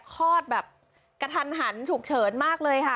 คลอดแบบกระทันหันฉุกเฉินมากเลยค่ะ